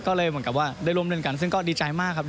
ก็เลยเหมือนกับว่าได้ร่วมเล่นกันซึ่งก็ดีใจมากครับ